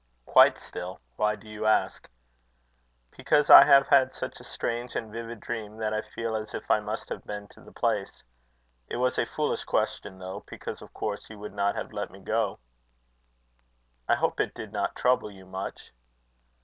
"Quite still. Why do you ask?" "Because I have had such a strange and vivid dream, that I feel as if I must have been to the place. It was a foolish question, though; because, of course, you would not have let me go." "I hope it did not trouble you much."